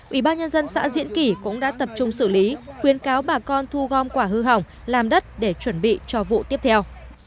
ủy ban nhân dân xã diễn kỳ cũng đã tập trung xử lý khuyến cáo bà con thu gom quả hư hỏng làm đất để chuẩn bị cho vụ tiếp theo